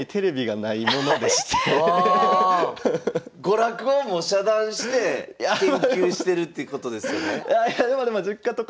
娯楽をも遮断して研究してるってことですよね？